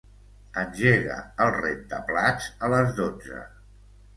Engega el rentaplats a les dotze.